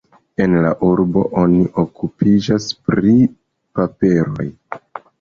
En la urbo oni okupiĝas pri paperoj.